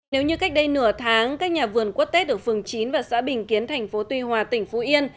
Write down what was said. nếu như cách đây nửa tháng các nhà vườn quất tết ở phường chín và xã bình kiến thành phố tuy hòa tỉnh phú yên